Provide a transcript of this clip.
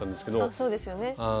そうですよね。